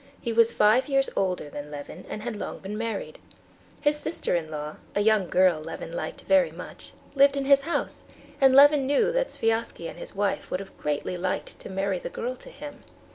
He was five years older than Levin, and had long been married. His sister in law, a young girl Levin liked very much, lived in his house; and Levin knew that Sviazhsky and his wife would have greatly liked to marry the girl to him.